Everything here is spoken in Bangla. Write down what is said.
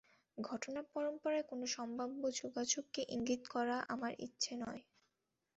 ঘটনাপরম্পরার কোনো সম্ভাব্য যোগাযোগকে ইঙ্গিত করা আমার ইচ্ছে নয়।